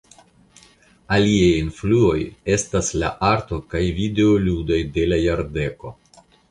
Aliaj influoj estas la arto kaj videoludoj de la jardeko.